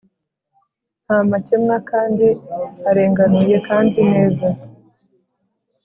ntamakemwa kandi arenganuye kandi neza,